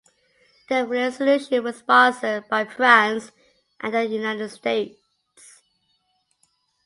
The resolution was sponsored by France and the United States.